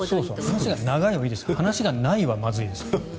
話は長いはいいですが話がないはまずいです。